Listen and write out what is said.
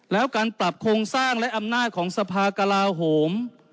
แล้วการปรับโครงสร้างและอำนาจของสภากลาโหม